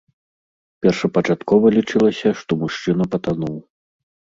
Першапачаткова лічылася, што мужчына патануў.